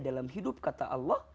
dalam hidup kata allah